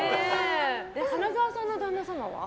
花澤さんの旦那様は？